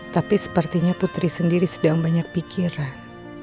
tapi sepertinya putri sendiri sedang banyak pikiran